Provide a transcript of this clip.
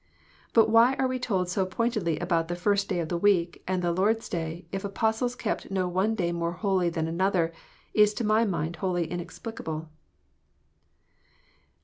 But why we are told so pointedly about the " first day of the week " and the " Lord s Day," if the Apostles kept no one day more holy than another, is to my mind wholly inexplicable.